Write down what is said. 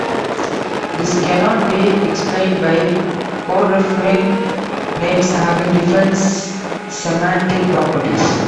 This cannot be explained by coreferring names having different semantic properties.